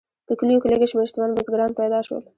په کلیو کې لږ شمیر شتمن بزګران پیدا شول.